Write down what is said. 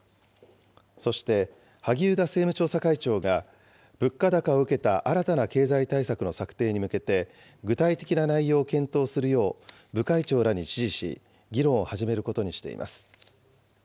そして萩生田政務調査会長が物価高を受けた新たな経済対策の策定に向けて、具体的な内容を検討するよう部会長らに指示し、議論を始めることにしています。